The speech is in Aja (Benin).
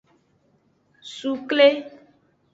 Sukle.